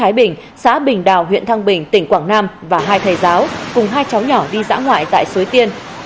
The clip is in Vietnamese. thái bình xã bình đào huyện thăng bình tỉnh quảng nam và hai thầy giáo cùng hai cháu nhỏ đi dã ngoại tại suối tiên